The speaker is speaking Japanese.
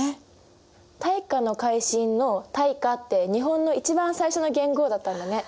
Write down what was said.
大化の改新の「大化」って日本の一番最初の元号だったんだね。